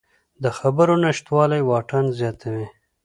د خبرو نشتوالی واټن زیاتوي